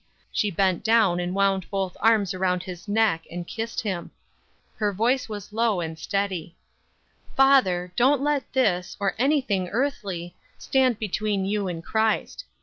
She bent down and wound both arms around his neck and kissed him. Her voice was low and steady: "Father, don't let this, or anything earthly, stand between you and Christ.